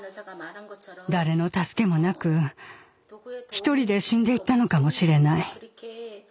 誰の助けもなく一人で死んでいったのかもしれない。